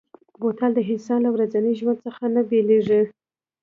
بوتل د انسان له ورځني ژوند څخه نه بېلېږي.